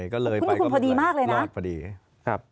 คุณคุณพอดีมากเลยนะ